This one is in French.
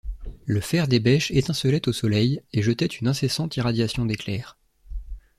Le fer des bêches étincelait au soleil et jetait une incessante irradiation d’éclairs.